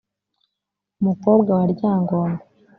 umukobwa wa ryangombe